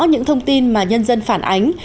những thông tin mà nhân dân phản ánh